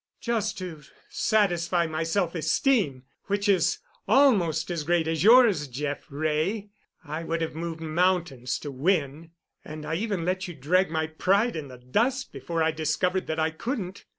"Just to satisfy my self esteem—which is almost as great as yours, Jeff Wray—I would have moved mountains to win, and I even let you drag my pride in the dust before I discovered that I couldn't.